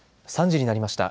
３時になりました。